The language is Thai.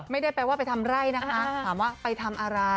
ไม่ได้แปลว่าไปทำไร่นะคะถามว่าไปทำอะไร